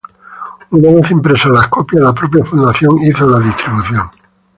Una vez impresas las copias, la propia fundación hizo la distribución.